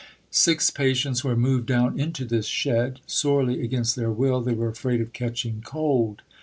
Six patients were moved down into this shed (sorely against their will, they were afraid of catching cold).